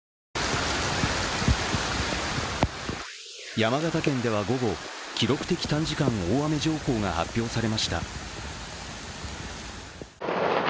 山形県では午後記録的短時間大雨情報が発表されました。